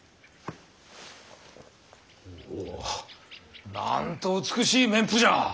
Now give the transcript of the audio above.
おおっなんと美しい綿布じゃ。